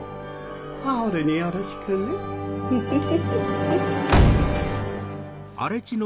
ハウルによろしくねフフフ。